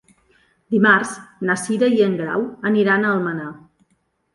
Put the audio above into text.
Dimarts na Cira i en Grau aniran a Almenar.